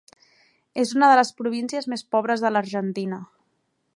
És una de les províncies més pobres de l'Argentina.